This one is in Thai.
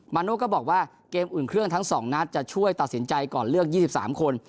โน่ก็บอกว่าเกมอุ่นเครื่องทั้ง๒นัดจะช่วยตัดสินใจก่อนเลือก๒๓คน